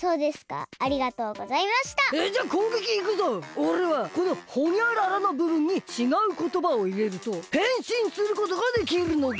おれはこのホニャララのぶぶんにちがうことばをいれるとへんしんすることができるのだ。